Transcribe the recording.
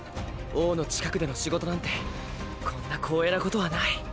王の近くでの仕事なんてこんな光栄なことはない。